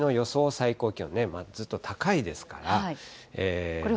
最高気温、ずっと高いですから。